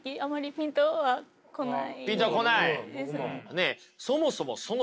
ピンとは来ない。